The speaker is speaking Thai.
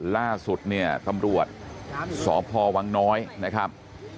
ล่าสุดเนี่ยตำรวจสพวังน้อยนะครับ